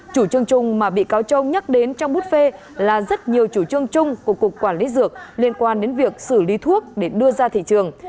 chủ trương chung mà bị cáo châu nhắc đến trong but phê là rất nhiều chủ trương chung của cục quản lý dược liên quan đến việc xử lý thuốc để đưa ra thị trường